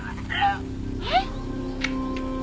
えっ？